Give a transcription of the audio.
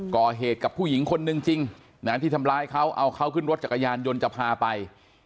ก่อเหตุกับผู้หญิงคนนึงจริงนะที่ทำร้ายเขาเอาเขาขึ้นรถจักรยานยนต์จะพาไป